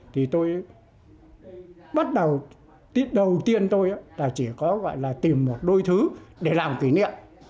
thì tôi bắt đầu đầu tiên tôi chỉ có gọi là tìm một đôi thứ để làm kỷ niệm